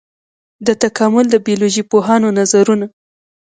د تکامل د بيولوژي پوهانو نظرونه.